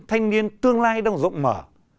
thanh niên tương lai đang rộng mở